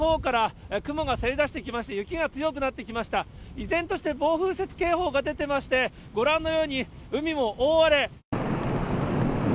依然として暴風雪警報が出てまして、ご覧のように、海も大荒れ。